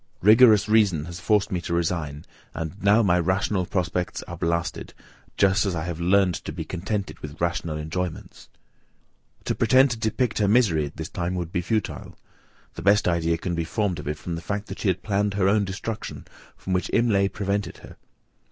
Rigorous reason has forced me to resign; and now my rational prospects are blasted, just as I have learned to be contented with rational enjoyments." To pretend to depict her misery at this time would be futile; the best idea can be formed of it from the fact that she had planned her own destruction, from which Imlay prevented her.